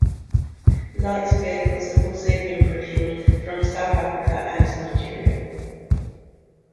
Light vehicles have also been procured from South Africa and Nigeria.